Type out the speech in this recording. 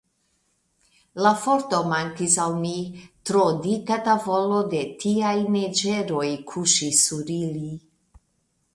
La forto mankis al mi; tro dika tavolo de tiaj neĝeroj kuŝis sur ili.